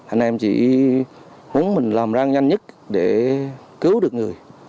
anh em chỉ muốn mình làm ra nhanh nhất để cứu được người